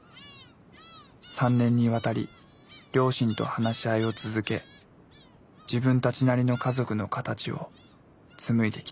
３年にわたり両親と話し合いを続け自分たちなりの家族の形を紡いできた。